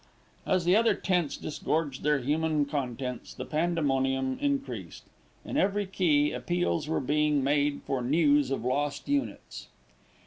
As the other tents disgorged their human contents, the pandemonium increased. In every key, appeals were being made for news of lost units.